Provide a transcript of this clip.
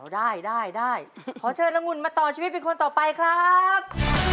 ได้ได้ขอเชิญองุ่นมาต่อชีวิตเป็นคนต่อไปครับ